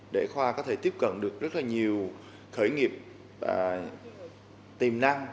để khoa có thể tiếp cận được rất là nhiều khởi nghiệp và tiềm năng